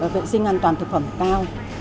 vệ sinh an toàn thực phẩm cao